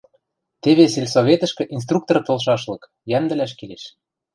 Теве сельсоветӹшкӹ инструктор толшашлык, йӓмдӹлӓш келеш...